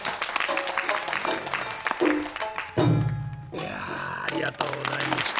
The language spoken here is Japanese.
いやありがとうございますと。